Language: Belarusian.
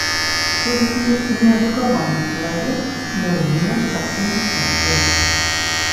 Толькі неадукаваны чалавек мог зняць такую стужку.